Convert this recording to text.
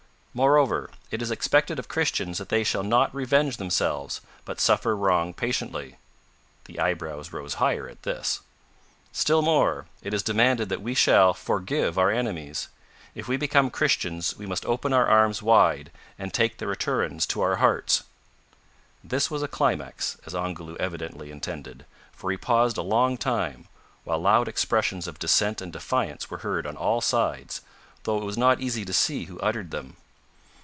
"Moreover, it is expected of Christians that they shall not revenge themselves, but suffer wrong patiently." The eyebrows rose higher at this. "Still more; it is demanded that we shall forgive our enemies. If we become Christians, we must open our arms wide, and take the Raturans to our hearts!" This was a climax, as Ongoloo evidently intended, for he paused a long time, while loud expressions of dissent and defiance were heard on all sides, though it was not easy to see who uttered them.